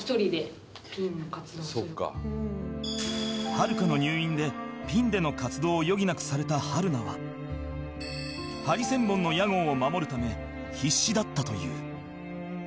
はるかの入院でピンでの活動を余儀なくされた春菜はハリセンボンの屋号を守るため必死だったという